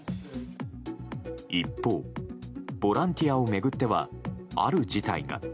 一方、ボランティアを巡ってはある事態が。